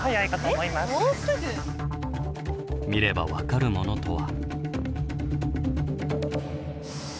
見れば分かるものとは。